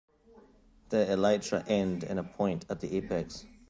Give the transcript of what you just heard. The elytra end in a point at the apex.